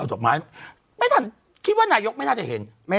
มันไม่ใช่แล้วมันไม่ใช่ห้าวันนี่ไม่ใช่แล้วค่ะค่ะแล้วพวกเราฝ่ายประชาธิปไตย